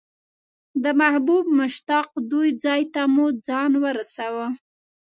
د محبوب مشتاق دوی ځای ته مو ځان ورساوه.